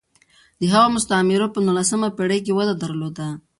د هغو مستعمرو په نولسمه پېړۍ کې وده درلوده.